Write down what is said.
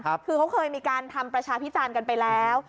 คือเขาเคยมีการทำประชาพิจารณ์กันไปแล้ว